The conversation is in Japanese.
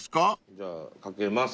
じゃあ賭けます。